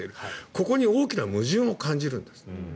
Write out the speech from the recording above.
ここに大きな矛盾を感じるんです。